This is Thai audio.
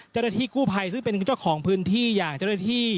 เจรติกู้ไพรซึ่งเป็นเจ้าของพื้นที่อย่างเจรติ